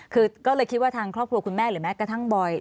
คือก็เลยคิดว่าทางครอบครัวคุณแม่หรือแม้กระทั่งบอย